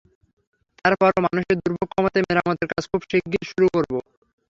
তার পরও মানুষের দুর্ভোগ কমাতে মেরামতের কাজ খুব শিগগির শুরু করব।